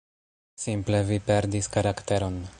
Simple vi perdis karakteron.“